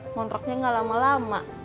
ngontraknya gak lama lama